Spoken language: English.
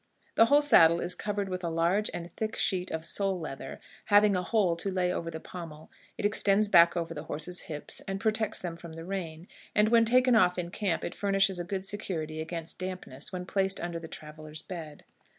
The whole saddle is covered with a large and thick sheet of sole leather, having a hole to lay over the pommel; it extends back over the horse's hips, and protects them from rain, and when taken off in camp it furnishes a good security against dampness when placed under the traveler's bed.